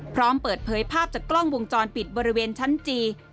พร้อมเปิดเผยภาพจากกล้องวงจรปิดบริเวณชั้นจี